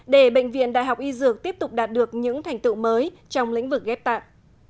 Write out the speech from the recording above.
để bệnh viện đại học y dược tiếp tục đạt được những thành tựu mới trong lĩnh vực ghép tạng